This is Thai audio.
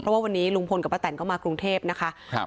เพราะว่าวันนี้ลุงพลกับป้าแตนก็มากรุงเทพนะคะ